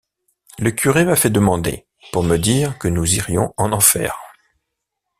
Le curé m’a fait demander, pour me dire que nous irions en enfer.